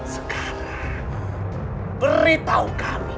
sekarang beritahu kami